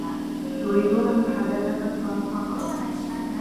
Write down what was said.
يريدون محادثة توم فقط.